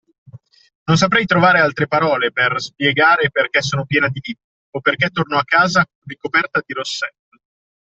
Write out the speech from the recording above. Non saprei trovare altre parole per spiegare perché sono piena di lividi, o perché torno a casa ricoperta di rossetto